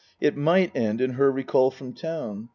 It might end in her recall from town.